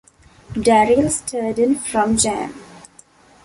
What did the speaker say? Darryl Sterdan from Jam!